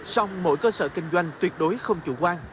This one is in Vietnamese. song mỗi cơ sở kinh doanh tuyệt đối không chủ quan